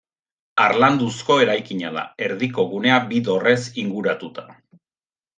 Harlanduzko eraikina da, erdiko gunea bi dorrez inguratuta.